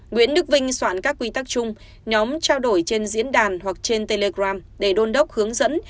nguyễn đức vinh soạn các quy tắc chung nhóm trao đổi trên diễn đàn hoặc trên telegram để đôn đốc hướng dẫn